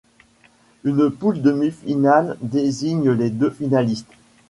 Une poule demi-finale désigne les deux finalistes.